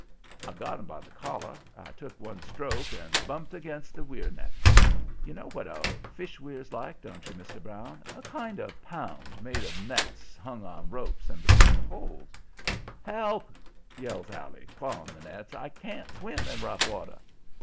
"I got him by the collar, took one stroke and bumped against the weir nets. You know what a fish weir's like, don't you, Mr. Brown? a kind of pound, made of nets hung on ropes between poles. "'Help!' yells Allie, clawing the nets. 'I can't swim in rough water!'